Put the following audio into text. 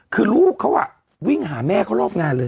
คือลูกเขาวิ่งหาแม่เขารอบงานเลย